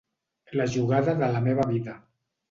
La jugada de la meva vida.